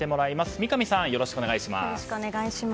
三上さん、よろしくお願いします。